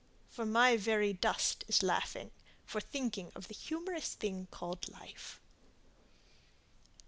for my very dust is laughing For thinking of the humorous thing called life.